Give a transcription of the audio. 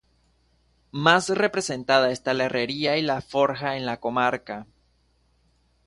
Más representada esta la herrería y la forja en la comarca.